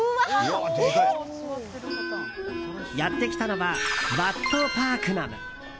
やってきたのはワット・パークナム。